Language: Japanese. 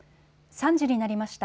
３時になりました。